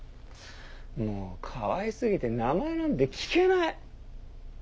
もうかわいすぎて名前なんて聞けない！